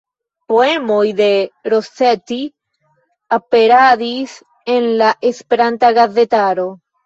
Poemoj de Rossetti aperadis en la Esperanta gazetaro.